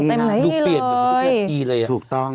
อื้อหือหือเรียนแล้วที่เลยถูกต้อง